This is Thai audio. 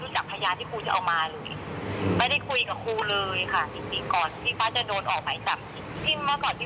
ที่มาที่ไปแต่ว่าแต่ว่าเอ่อยังพยายามจะผิดเพี้ยนไปหรือว่าอะไร